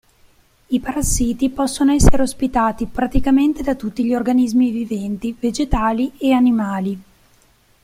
I parassiti possono essere ospitati praticamente da tutti gli organismi viventi, vegetali e animali.